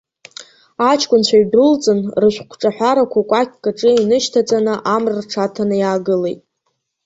Аҷкәынцәа ҩдәылҵын, рышәҟәҿаҳәарақәа кәакьк аҿы инышьҭаҵаны, амра рҽаҭаны иаагылеит.